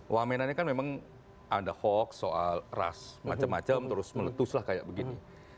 wamena ini kan memang ada hoax soal ras macam macam terus meletus lah kayak begini